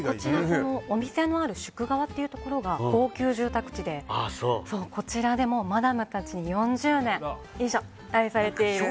お店のある夙川というところが高級住宅地でこちらでもマダムたちに４０年以上愛されている。